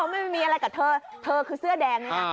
ไม่มีอะไรกับเธอเธอคือเสื้อแดงนี่นะ